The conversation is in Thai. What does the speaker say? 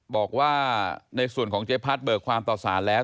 บอกว่าในส่วนของเจ๊พัดเบิกความต่อสารแล้ว